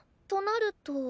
となると。